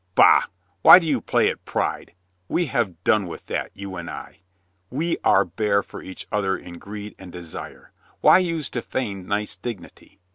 "Bah, why do you play at pride? We have done with that, you and I. We are bare for each other in greed and desire. What use to feign nice dignity?